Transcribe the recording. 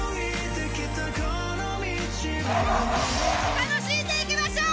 楽しんでいきましょう。